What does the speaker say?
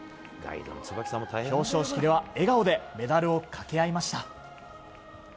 表彰式では笑顔でメダルをかけ合いました。